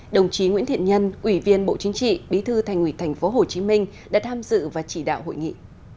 đồng chí nguyễn thiện nhân ủy viên bộ chính trị bí thư thành ủy tp hcm đã tham dự và chỉ đạo hội nghị